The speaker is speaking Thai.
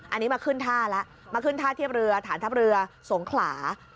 อันนี้มาขึ้นท่าแล้วมาขึ้นท่าเทียบเรือฐานทัพเรือสงขลา